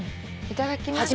いただきます。